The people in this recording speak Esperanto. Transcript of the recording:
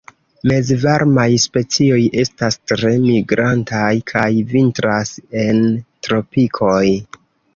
Mezvarmaj specioj estas tre migrantaj, kaj vintras en tropikoj.